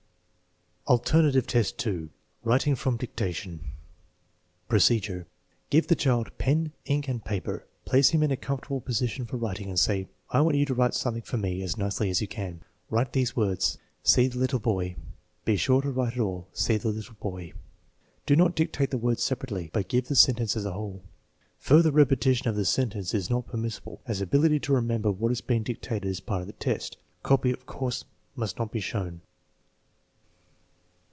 Alternative test 2: writing from dictation Procedure. Give the child pen, ink, and paper, pkce him in a comfortable position for writing, and say: I want you to write something for me as nicely as you can. Write these wards: ' See \he IMe boy. 9 Be sure to write ti all: * See the little boy.' " Do not dictate the words separately, but give the sen 232 THE MEASUREMENT OF INTELLIGENCE tence as a whole. Further repetition of the sentence is not permissible, as ability to remember what has been dictated is a part of the test. Copy, of course, must not be shown.